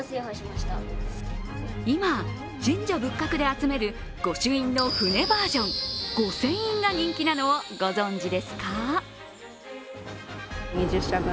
今、神社仏閣を巡って集める御朱印の船バージョン御船印が人気なのをご存じですか？